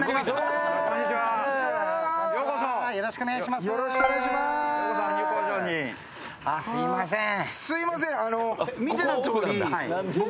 もうすいません